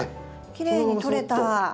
きれいに取れた。